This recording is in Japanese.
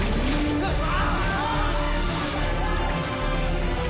うわ！